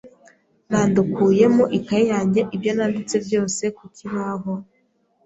Nandukuye mu ikaye yanjye ibyo yanditse byose ku kibaho.